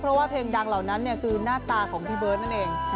เพราะว่าเพลงดังเหล่านั้นคือหน้าตาของพี่เบิร์ตนั่นเอง